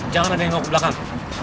jangan ada yang mau ke belakang